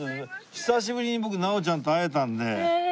久しぶりに僕直ちゃんと会えたんで。